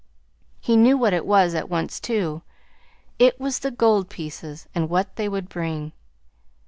He knew what it was, at once, too. It was the gold pieces, and what they would bring.